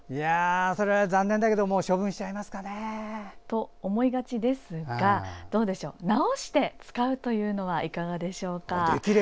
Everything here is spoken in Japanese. それは残念だけど処分しちゃいますかね。と思いがちですが直して使うというのはいかがでしょうか。